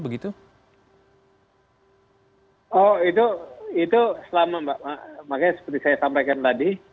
oh itu selama mbak makanya seperti saya sampaikan tadi